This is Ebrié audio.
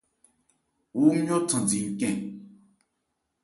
Wú ńmyɔ́ thándi ncɛ̂n ?